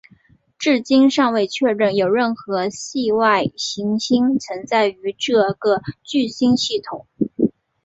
至今尚未确认有任何系外行星存在于这个聚星系统。